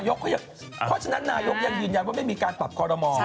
เพราะฉะนั้นนายกยังยืนยันว่าไม่มีการปรับคอรมอล